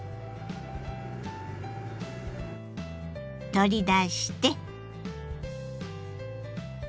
取り出して。